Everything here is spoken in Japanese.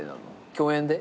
共演で？